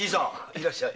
いらっしゃい。